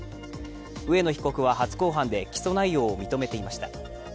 植野被告は初公判で起訴内容を認めていました。